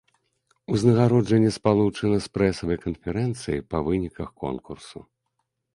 Узнагароджанне спалучана з прэсавай канферэнцыяй па выніках конкурсу.